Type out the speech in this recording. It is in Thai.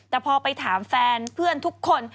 แต่พอไปถามแฟนเพื่อนทุกคน